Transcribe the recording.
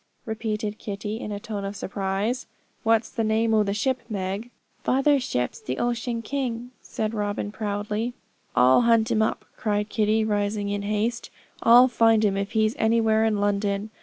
repeated Kitty, in a tone of surprise. 'What's the name o' the ship, Meg?' 'Father's ship's the Ocean King,' said Robin proudly. 'I'll hunt him up,' cried Kitty, rising in haste. 'I'll find him, if he's anywhere in London.